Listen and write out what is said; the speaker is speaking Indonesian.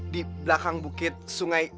di belakang bukit sungai